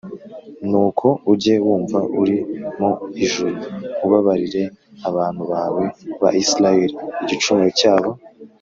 nuko ujye wumva uri mu ijuru ubabarire abantu bawe ba Isirayeli igicumuro cyabo